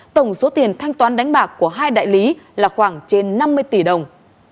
tổng số tiền thanh toán đánh bạc của hai đại lý là khoảng trên năm mươi tỷ đồng